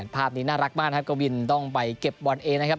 ภาพนี้น่ารักมากนะครับกวินต้องไปเก็บบอลเองนะครับ